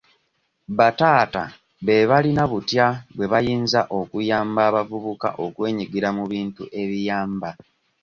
Bataata beebalina butya bwe bayinza okuyamaba abavubuka okwenyigira mu bintu ebiyamba.